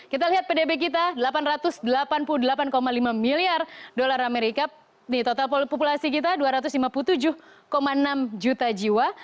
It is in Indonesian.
kita lihat pdb kita delapan ratus delapan puluh delapan lima miliar dolar amerika total populasi kita dua ratus lima puluh tujuh enam juta jiwa